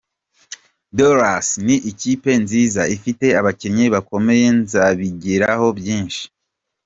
Dallas ni ikipe nziza, ifite abakinnyi bakomeye nzabigiraho byinshi.